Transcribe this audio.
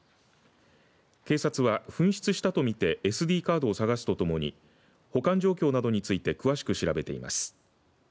警察は紛失したと見てＳＤカードを探すとともに保管状況などについて詳しく調べています。